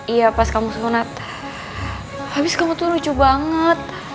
iya pas kamu sunat habis kamu tuh lucu banget